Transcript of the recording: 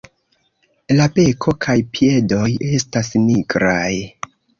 La beko kaj piedoj estas nigraj.